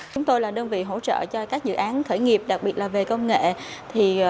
chúng tôi là đơn vị hỗ trợ cho các dự án khởi nghiệp đặc biệt là về công nghệ